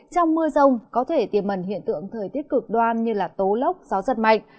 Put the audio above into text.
trong mưa rông có thể tiềm mần hiện tượng thời tiết cực đoan như tố lốc gió giật mạnh